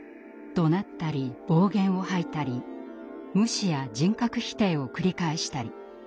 怒鳴ったり暴言を吐いたり無視や人格否定を繰り返したり。